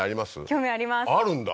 興味ありますあるんだ？